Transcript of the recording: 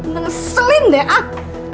nengselin deh ah